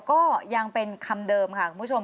ก็ยังเป็นคำเดิมค่ะคุณผู้ชม